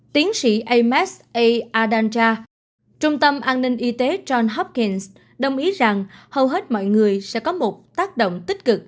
tiến sĩ amos a adanja trung tâm an ninh y tế john hopkins đồng ý rằng hầu hết mọi người sẽ có một tác động tích cực